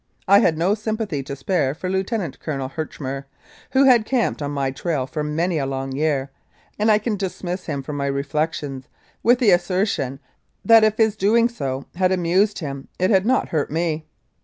I had no sympathy to spare for Lieutenant Col. Herchmer, who had camped on my trail for many a long year, and I can dismiss him from my reflections with the asser tion, that if his doing so had amused him it had not hurt me.